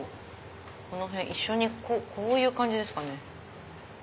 このへん一緒にこういう感じですかね。